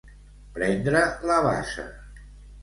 Prendre la basa.